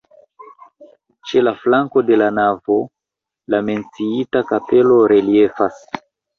Ĉe flanko de la navo la menciita kapelo reliefas.